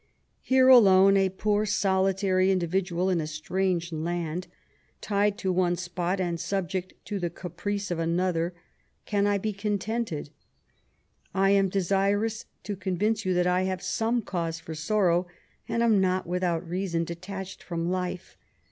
Here, alone, a poor solitary individual in a strange land, tied to one spot, and subject to the caprice of another, can I be contented ? I am desirous to convince you that I have some cause for sorrow, and am not without reason detached from life.